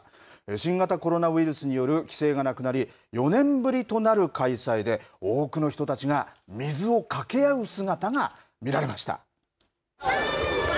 新型コロナウイルスによる規制がなくなり４年ぶりとなる開催で多くの人たちが水をかけ合う姿が見られました。